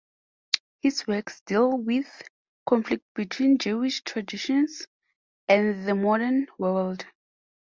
His works deal with conflict between Jewish traditions and the modern world.